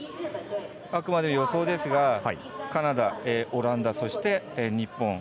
あくまで予想ですがカナダ、オランダそして、日本。